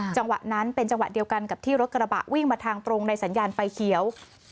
จังหวะนั้นเป็นจังหวะเดียวกันกับที่รถกระบะวิ่งมาทางตรงในสัญญาณไฟเขียว